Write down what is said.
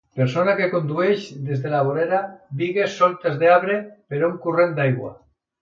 Persona que condueix des de la vorera bigues soltes d'arbre per un corrent d'aigua.